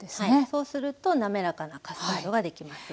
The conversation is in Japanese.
そうすると滑らかなカスタードができます。